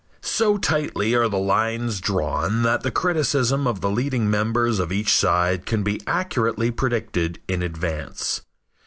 So tightly are the lines drawn that the criticism of the leading members of each side can be accurately predicted in advance.